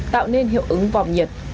tạo nên hiệu ứng vòng nhật